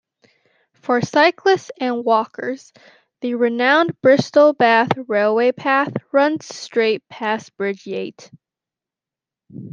For cyclists and walkers, the renowned Bristol-Bath railway path runs straight past Bridgeyate.